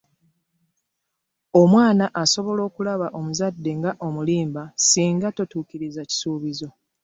Omwana asobola okulaba omuzadde nga omulimba singa totuukiriza kisuubizo.